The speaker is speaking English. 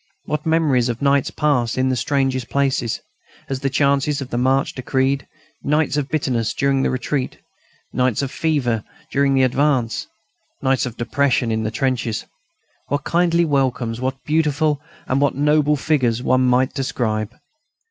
What memories of nights passed in the strangest places, as the chances of the march decreed, nights of bitterness during the retreat, nights of fever during the advance, nights of depression in the trenches! What kindly welcomes, what beautiful and what noble figures one might describe!